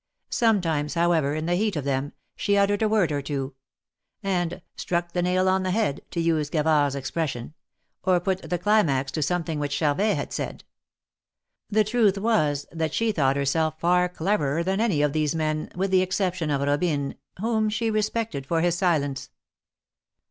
Sometimes, however, in the heat of them, she uttered a THE MARKETS OF PARIS. 171 word or two : and Struck the nail on the head," to use Gavard's expression; or put the climax to something which Charvet had said. The truth was, that she thought herself far cleverer than any of these men, with the exception of Robine, whom she respected for his silence.